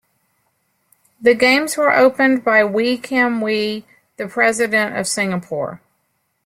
The games were opened by Wee Kim Wee, the President of Singapore.